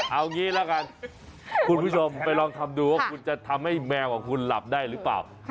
เอางี้ละกันคุณผู้ชมไปลองทำดูว่าคุณจะทำให้แมวของคุณหลับได้หรือเปล่า